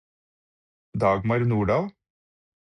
Dagmar Nordahl